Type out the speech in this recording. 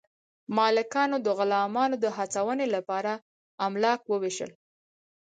مالکانو د غلامانو د هڅونې لپاره املاک وویشل.